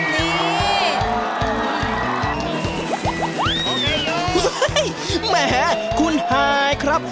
เห้ยแม่คุณหายครับ